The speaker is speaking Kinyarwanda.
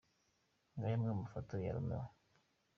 Ngaya amwe mu mafoto ya Romeo.